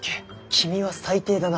君は最低だな。